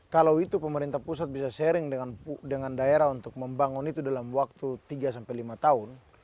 kalau itu pemerintah pusat bisa sharing dengan daerah untuk membangun itu dalam waktu tiga sampai lima tahun